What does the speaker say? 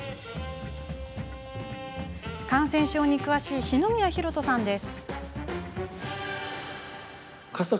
感染症に詳しい四宮博人さんです。